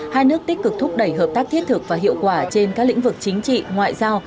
hai nước tích cực thúc đẩy hợp tác thiết thực và hiệu quả trên các lĩnh vực chính trị ngoại giao